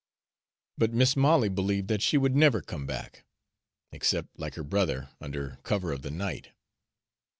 But Mis' Molly believed that she would never come back, except, like her brother, under cover of the night.